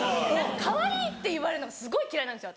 かわいいって言われるのがすごい嫌いなんですよ